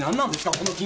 この金額。